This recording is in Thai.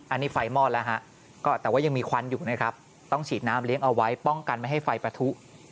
อันนี้ไฟมอดแล้วฮะก็แต่ว่ายังมีควันอยู่นะครับต้องฉีดน้ำเลี้ยงเอาไว้ป้องกันไม่ให้ไฟปะทุ